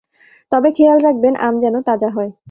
তবে খেয়াল রাখবেন আম যেন তাজা হয়।